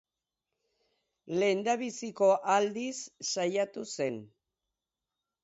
Lehendabiziko aldiz saiatu zen.